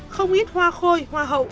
không ít hoa khôi hoa hậu